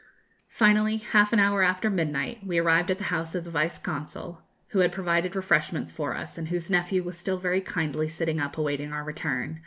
Finally, half an hour after midnight, we arrived at the house of the Vice Consul, who had provided refreshments for us, and whose nephew was still very kindly sitting up awaiting our return.